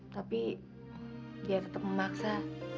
tapi dia tetap memaksa